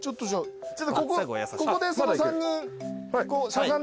ここで３人しゃがんで。